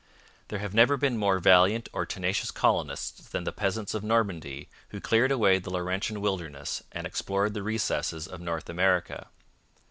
There have never been more valiant or tenacious colonists than the peasants of Normandy who cleared away the Laurentian wilderness and explored the recesses of North America.